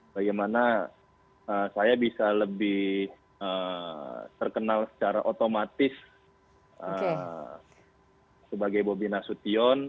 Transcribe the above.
bagaimana saya bisa lebih terkenal secara otomatis sebagai bobi nasution